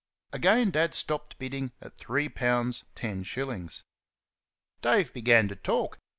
Again Dad stopped bidding at three pounds ten shillings. Dave began to talk.